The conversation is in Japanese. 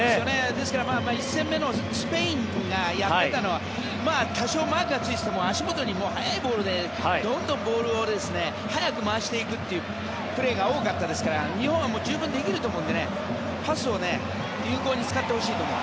ですから１戦目のスペインがやっていたのは多少マークがついていても足元に速いボールでどんどんボールを速く回していくというプレーが多かったですから日本も十分できると思うのでパスを有効に使ってほしいと思う。